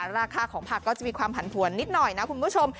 ราคาของผักก็จะมีความผันผวนนิดหน่อยนะคุณผู้ชม